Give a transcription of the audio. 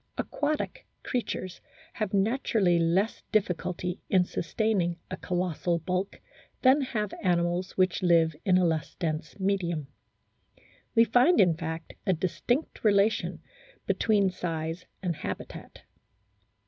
Aquatic creatures have naturally less difficulty in sustaining a colossal bulk than have animals which live in a less dense medium. We find, in fact, a distinct relation between size and habitat.